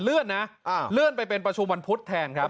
เลื่อนนะเลื่อนไปเป็นประชุมวันพุธแทนครับ